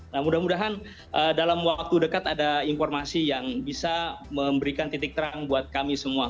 nah mudah mudahan dalam waktu dekat ada informasi yang bisa memberikan titik terang buat kami semua